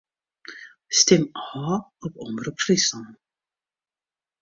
Stim ôf op Omrop Fryslân.